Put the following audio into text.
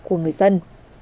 của người dân